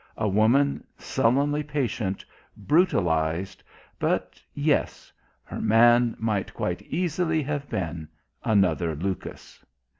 a woman sullenly patient, brutalised, but yes, her man might quite easily have been another Lucas.